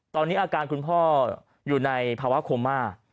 ตอนนี้อาการคุณพ่ออยู่ในภาวะโคม่า